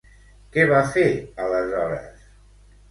Què va fer, aleshores?